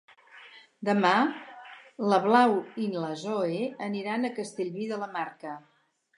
Demà na Blau i na Zoè aniran a Castellví de la Marca.